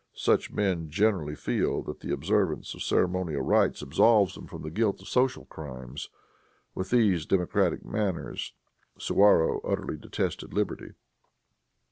Such men generally feel that the observance of ceremonial rites absolves them from the guilt of social crimes. With these democratic manners Suwarrow utterly detested liberty.